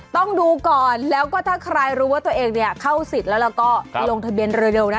ต้องดูก่อนแล้วก็ถ้าใครรู้ว่าตัวเองเนี่ยเข้าสิทธิ์แล้วเราก็ลงทะเบียนเร็วนะ